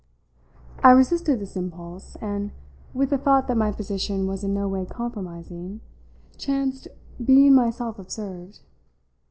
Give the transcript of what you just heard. I resisted this impulse and, with the thought that my position was in no way compromising, chanced being myself observed.